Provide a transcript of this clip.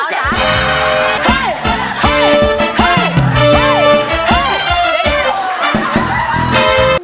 เฮ้ยเฮ้ยเฮ้ยเฮ้ยเฮ้ย